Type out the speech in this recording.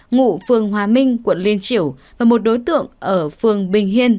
ngụ phường hòa minh quận liên triểu và một đối tượng ở phường bình hiên